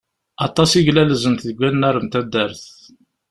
Aṭas i glalzent deg wannar n taddart.